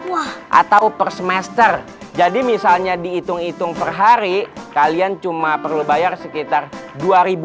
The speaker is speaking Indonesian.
wah atau persemester jadi misalnya diitung itung perhari kalian cuma perlu bayar sekitar rp dua ribu